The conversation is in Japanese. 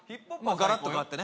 ガラッと変わってね